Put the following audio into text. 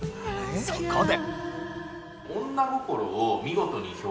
そこで。